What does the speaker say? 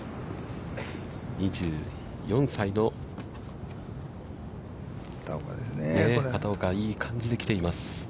２４歳の片岡、いい感じで来ています。